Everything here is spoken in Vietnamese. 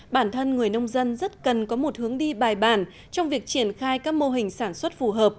bản thân người nông dân rất cần có một hướng đi bài bản trong việc triển khai các mô hình sản xuất phù hợp